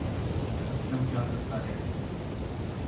اسلم کیا کرتا ہے